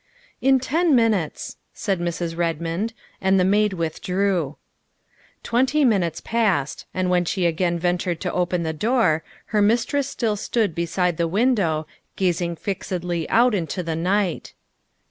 " In ten minutes," said Mrs. Redmond, and the maid withdrew. Twenty minutes passed, and when she again ventured to open the door her mistress still stood beside the win dow gazing fixedly out into the night.